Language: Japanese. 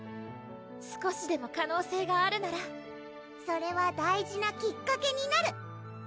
少しでも可能性があるならそれは大事なきっかけになる！